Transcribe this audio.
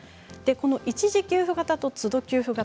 一時給付型と都度給付型